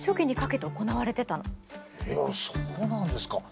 いやそうなんですか。